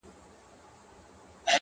صبر کوه خدای به درکړي!.